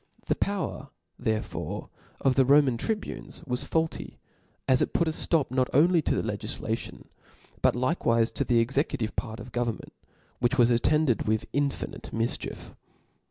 The power therefore of the Roman tribunes was faulty, as it put a ftop not only to the legiflation, but likewife the executive part of go* vernment ; which was attended with infinite mif* chiefs.